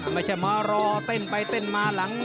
ไม่ใช่มารอเต้นไปเต้นมาหลัง